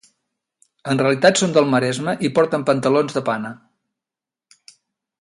En realitat són del Maresme i porten pantalons de pana.